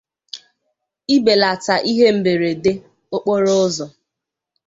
ibelata ihe mberede okporoụzọ